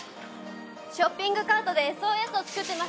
ショッピングカートで「ＳＯＳ」を作ってます。